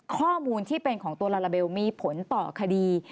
ข้อมูลที่เป็นของตัวลาลาเบลมีผลต่อคดี